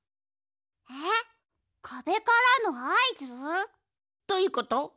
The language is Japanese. えっかべからのあいず？どういうこと？